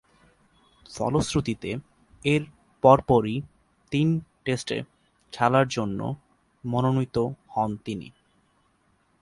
ফলশ্রুতিতে এর পরপরই তিন টেস্টে খেলার জন্যে মনোনীত হন তিনি।